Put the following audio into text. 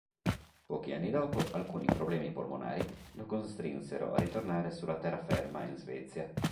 Pochi anni dopo, alcuni problemi polmonari lo costrinsero a ritornare sulla terraferma in Svezia.